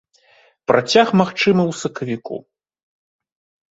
Працяг, магчыма, у сакавіку.